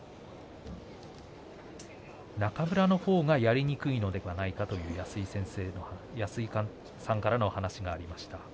中村の方がやりにくいのではないかという安井さんからの話がありました。